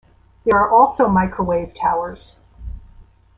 There are also microwave towers.